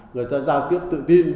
người ta giao tiếp tự tin